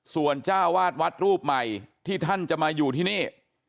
ส่วนจ้าวาดวัดรูปใหม่ที่ท่านจะมาอยู่ที่นี่